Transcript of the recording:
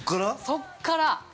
◆そっから。